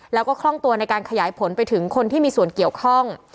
แล้วก็คล่องตัวในการขยายผลไปถึงคนที่มีส่วนเกี่ยวข้อง